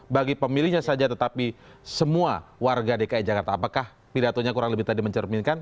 bagi pemilihnya saja tetapi semua warga dki jakarta apakah pidatonya kurang lebih tadi mencerminkan